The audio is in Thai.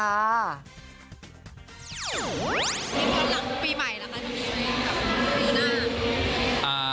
มีคนหลังปีใหม่แล้วคะพี่ลีหรือหน้า